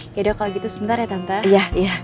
yaudah kalau gitu sebentar ya tante